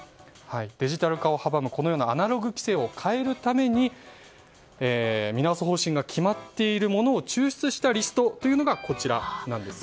デジタル化を阻むアナログ規制を変えるために見直す方針が決まっているものを抽出したリストがこちらです。